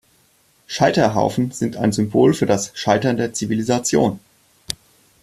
Scheiterhaufen sind ein Symbol für das Scheitern der Zivilisation.